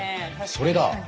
それだ。